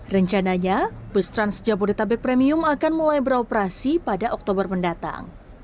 rencananya bus trans jabodetabek premium akan mulai beroperasi pada oktober mendatang